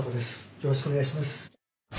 よろしくお願いします。